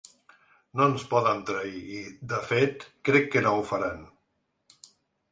No ens poden trair i, de fet, crec que no ho faran.